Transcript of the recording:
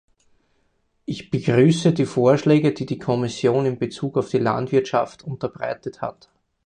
Ich begrüße die Vorschläge, die die Kommission in Bezug auf die Landwirtschaft unterbreitet hat.